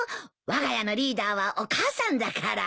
わが家のリーダーはお母さんだから。